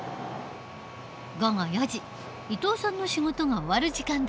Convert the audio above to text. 午後４時伊藤さんの仕事が終わる時間だ。